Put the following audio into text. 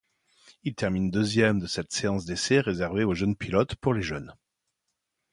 Il termine deuxième de cette séance d'essais réservée aux jeunes pilotes pour les jeunes.